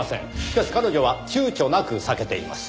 しかし彼女は躊躇なく避けています。